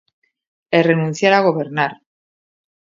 É renunciar a gobernar.